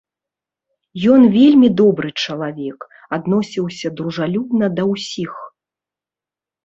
Ён вельмі добры чалавек, адносіўся дружалюбна да ўсіх.